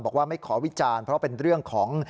บอกว่าไม่ขอวิจารณ์เพราะเป็นเรื่องของ